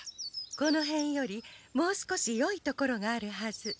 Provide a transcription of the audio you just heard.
このへんよりもう少しよい所があるはず。